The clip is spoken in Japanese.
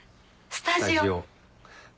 スタジオ。